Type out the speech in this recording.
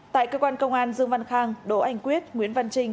tại cơ quan công an dương văn khang đỗ anh quyết nguyễn văn trinh